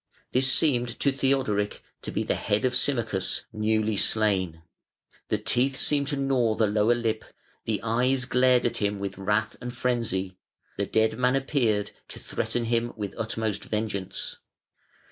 This seemed to Theodoric to be the head of Symmachus, newly slain. The teeth seemed to gnaw the lower lip, the eyes glared at him with wrath and frenzy, the dead man appeared, to threaten him with utmost vengeance.